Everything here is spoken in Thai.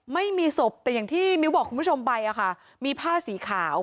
ไม่มีศพแต่อย่างที่มิ้วบอกคุณผู้ชมไปอะค่ะมีผ้าสีขาว